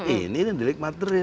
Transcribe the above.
ini delik materi